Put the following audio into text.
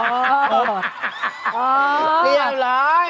ไปทำไมล่ะ